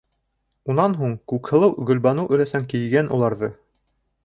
Унан һуң Күкһылыу-Гөлбаныу өләсәң кейгән уларҙы.